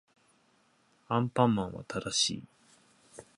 アンパンマンは正しい